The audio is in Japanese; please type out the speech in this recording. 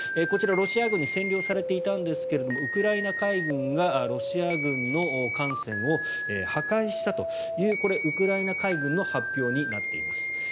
こちらロシア軍に占領されていたんですがウクライナ海軍がロシア軍の艦船を破壊したというこれはウクライナ海軍の発表になっています。